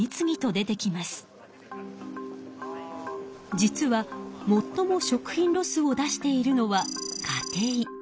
実はもっとも食品ロスを出しているのは家庭。